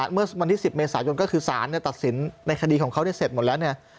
เมื่อวันที่๑๐เมษายนต์ก็คือสารเนี่ย